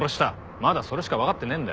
まだそれしかわかってねえんだ。